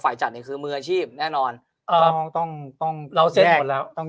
ฝ่ายจัดเนี่ยคือมืออาชีพแน่นอนต้องต้องเราเสร็จแล้วต้อง